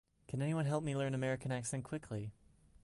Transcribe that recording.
Can anyone help me learn american accent quickly.